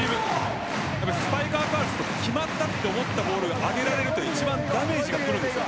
スパイカーからすると決まったと思ったボールが上げられるのは一番ダメージがくるんです。